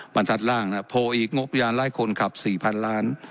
มันทัดล่างนะฮะโผล่อีกงบยานไร้คนขับสี่พันล้าน